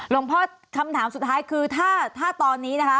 หลวงพ่อคำถามสุดท้ายคือถ้าตอนนี้นะคะ